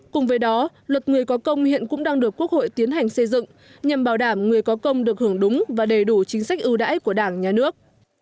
cùng với đó luật người có công hiện cũng đang được quốc hội tiến hành xây dựng nhằm bảo đảm người có công được hưởng đúng và đầy đủ chính sách ưu đãi của đảng nhà nước